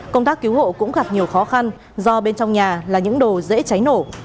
công tác cứu hộ cũng gặp nhiều khó khăn do bên trong nhà là những đồ dễ cháy nổ